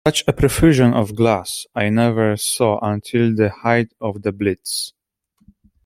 Such a profusion of glass I never saw until the height of the Blitz.